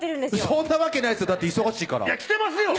そんなわけないですよだって忙しいからいや来てますよ！